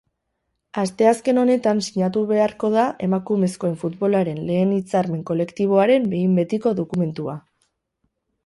Asteazken honetan sinatu beharko da emakumezkoen futbolaren lehen hitzarmen kolektiboaren behin betiko dokumentua.